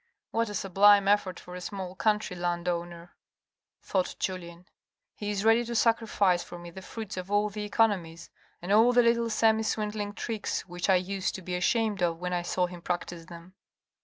" What a sublime effort for a small country land owner," thought Julien. " He is ready to sacrifice for me the fruits of all the economies, and all the little semi swindling tricks which I used to be ashamed of when I saw him practice them."